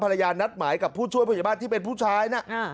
ภรรยานัดหมายกับผู้ช่วยผู้ใหญ่บ้านที่เป็นผู้ชายนะ